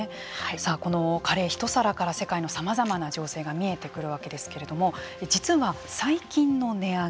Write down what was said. このカレーひと皿から世界のさまざまな情勢が見えてくるわけですけれども実は最近の値上げ